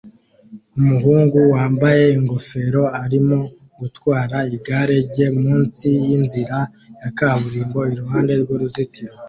Umuhungu wambaye ingofero arimo gutwara igare rye munsi yinzira ya kaburimbo iruhande rwuruzitiro